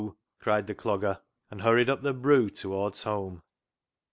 " cried the Clogger, and hurried up the " broo " towards home.